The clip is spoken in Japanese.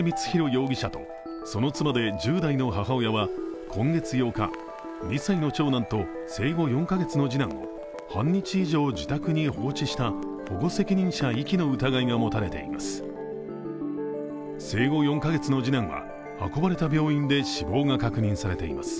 容疑者とその妻で１０代の母親は今月８日、２歳の長男と生後４カ月の次男を半日以上、自宅に放置した保護責任者遺棄の疑いが持たれています。